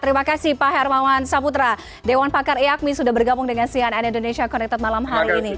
terima kasih pak hermawan saputra dewan pakar iyakmi sudah bergabung dengan cnn indonesia connected malam hari ini